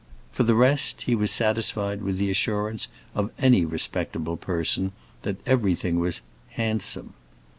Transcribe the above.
For the rest, he was satisfied with the assurance of any respectable person that everything was "handsome."